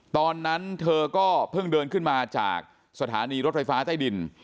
ตอนนั้นเธอก็เพิ่งเดินขึ้นมาจากสถานีรถไฟฟ้าใต้ดิน